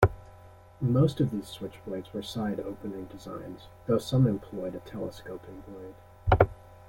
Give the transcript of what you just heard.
Most of these switchblades were side-opening designs, though some employed a telescoping blade.